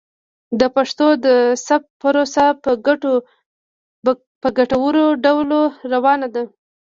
د پښتو د ثبت پروسه په ګټور ډول روانه ده.